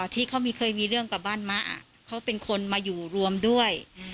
ที่เขาเคยมีเรื่องกับบ้านมะเขาเป็นคนมาอยู่รวมด้วย